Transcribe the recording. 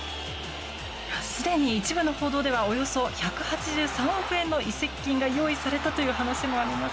すでに一部報道ではおよそ１８３億円の移籍金が用意されたという話もあります。